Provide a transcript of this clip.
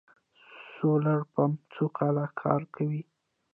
د سولر پمپ څو کاله کار کوي؟